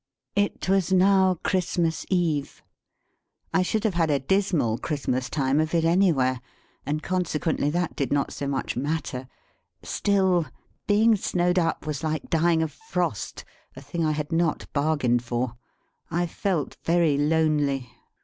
It was now Christmas eve. I should have had a dismal Christmas time of it anywhere, and consequently that did not so much matter; still, being snowed up was like dying of frost, a thing I had not bargained for. I felt very lonely.